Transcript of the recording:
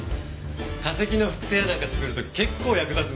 化石の複製やなんか作る時結構役立つんですよ。